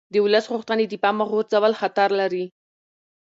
د ولس غوښتنې د پامه غورځول خطر لري